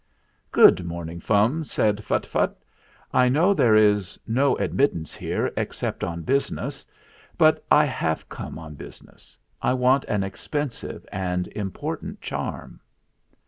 "Good morning, Fum," said Phuttphutt. "I know there is no admittance here except on business ; but I have come on business. I want an expensive and important charm."